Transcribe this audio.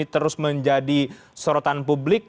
terus menjadi sorotan publik